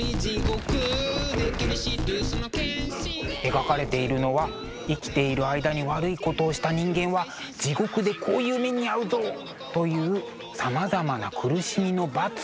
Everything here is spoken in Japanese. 描かれているのは生きている間に悪いことをした人間は地獄でこういう目に遭うぞというさまざまな苦しみの罰。